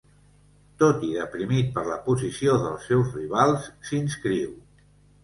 Tot i deprimit per la posició dels seus rivals, s'inscriu.